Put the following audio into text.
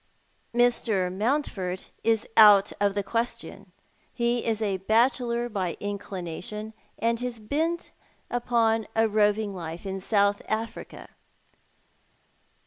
" Mr. Mountford is out of the question. He is a bachelor by inclination, and is bent upon a roving life in South Africa."